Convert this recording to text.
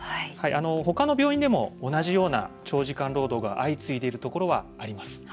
他の病院でも同じような長時間労働が相次いでいるところはあります。